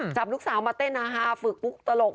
จับลูกสาวมาเต้นฮาฝึกปุ๊กตลก